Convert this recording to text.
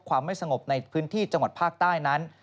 ไม่สงบในพื้นที่จังหวัดภาคใต้นั้น